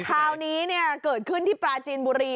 คราวนี้เกิดขึ้นที่ปราจีนบุรี